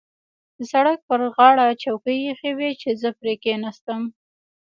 د سړک پر غاړه چوکۍ اېښې وې چې زه پرې کېناستم.